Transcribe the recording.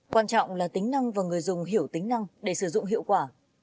quan trọng là tính năng và người dùng hiểu tính năng để sử dụng hiệu quả